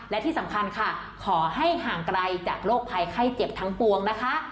และที่สำคัญค่ะขอให้ห่างไกลจากโรคภัยไข้เจ็บทั้งปวงนะคะ